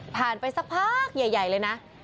ไปสักพักใหญ่เลยนะ